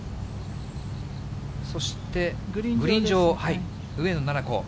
そして、グリーン上、上野菜々子。